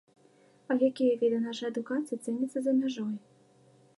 А якія віды нашай адукацыя цэняцца за мяжой?